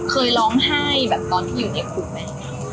เคยร้องไห้แบบตอนที่อยู่ในคุกไหม